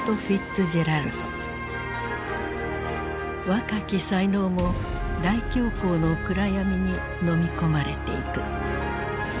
若き才能も大恐慌の暗闇にのみ込まれていく。